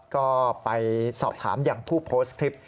ก็ไปสอบถามอย่างผู้โพสต์คลิป